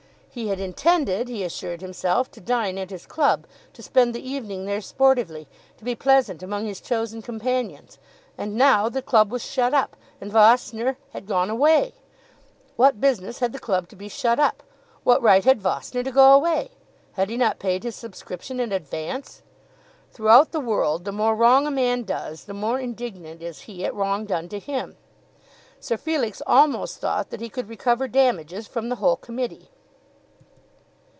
He had intended, he assured himself, to dine at his club, to spend the evening there sportively, to be pleasant among his chosen companions. And now the club was shut up, and Vossner had gone away! What business had the club to be shut up? What right had Vossner to go away? Had he not paid his subscription in advance? Throughout the world, the more wrong a man does, the more indignant is he at wrong done to him. Sir Felix almost thought that he could recover damages from the whole Committee.